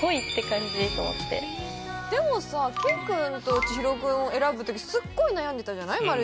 って感じと思ってでもさ圭君と千聖君を選ぶときすっごい悩んでたじゃない？